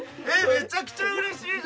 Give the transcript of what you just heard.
めちゃくちゃうれしい！